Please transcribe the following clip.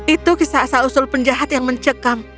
itu kisah asal usul penjahat yang mencekam